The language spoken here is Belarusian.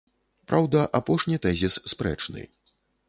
Праўда, апошні тэзіс спрэчны.